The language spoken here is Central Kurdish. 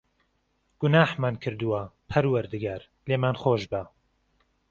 گوناحمان کردووە، پەروەردگار، لێمان خۆشبە.